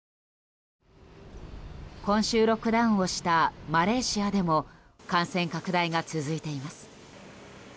今週、ロックダウンをしたマレーシアでも感染拡大が続いています。